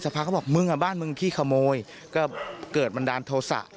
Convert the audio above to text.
พักเขาบอกมึงอ่ะบ้านมึงขี้ขโมยก็เกิดบันดาลโทษะ